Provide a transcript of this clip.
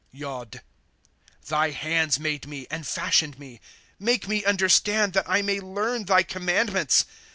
Yod. " Thy hands made me, and fashioned me ; Make me understand, that I may learn thy commandments.